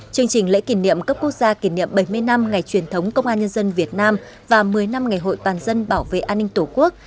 chương trình lễ kỷ niệm cấp quốc gia kỷ niệm bảy mươi năm ngày truyền thống công an nhân dân việt nam và một mươi năm ngày hội toàn dân bảo vệ an ninh tổ quốc